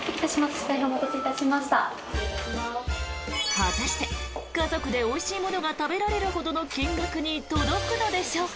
果たして家族でおいしいものが食べられるほどの金額に届くのでしょうか。